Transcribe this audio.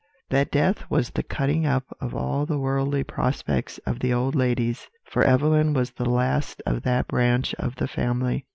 "That death was the cutting up of all the worldly prospects of the old ladies, for Evelyn was the last of that branch of the family.